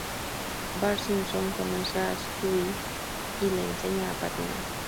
Bart Simpson conoce a Stewie y le enseña a patinar.